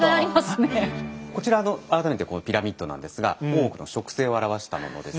こちらの改めてこうピラミッドなんですが大奥の職制を表したものです。